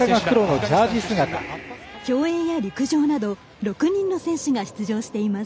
競泳や陸上など６人の選手が出場しています。